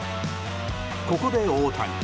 ここで大谷。